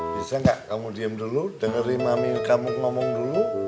bisa nggak kamu diem dulu dengerin mami kamu ngomong dulu